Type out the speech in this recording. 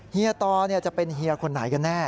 เฮียตอจะเป็นเฮียคนไหนกันแน่